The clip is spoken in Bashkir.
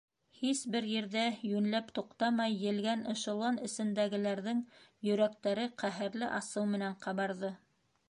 Һис бер ерҙә йүнләп туҡтамай елгән эшелон эсендәгеләрҙең йөрәктәре ҡәһәрле асыу менән ҡабарҙы.